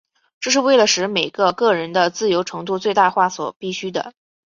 这是为了使每个个人的自由程度最大化所必需的。